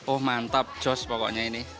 oh mantap jos pokoknya ini